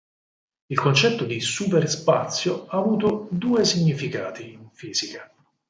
Il concetto di "superspazio" ha avuto due significati in fisica.